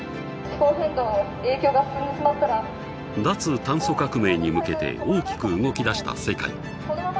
脱炭素革命に向けて大きく動きだした世界。